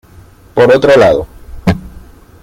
Por otro lado.